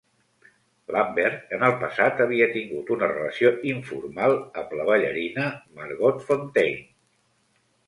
Lambert en el passat havia tingut una relació informal amb la ballarina Margot Fonteyn.